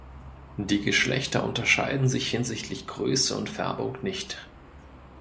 Die Geschlechter unterscheiden sich hinsichtlich Größe und Färbung nicht.